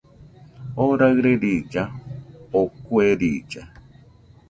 Oo raɨre riilla, o kue riilla